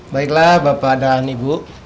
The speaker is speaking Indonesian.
baiklah bapak dan ibu